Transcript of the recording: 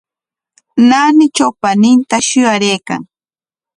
Naanitraw paninta shuyaraykan.